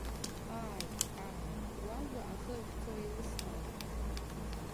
Ааи, ааи, уажәа ахы ахьцо еилыскаауеит.